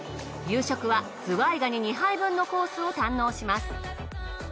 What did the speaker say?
夕食はズワイガニ２杯分のコースを堪能します。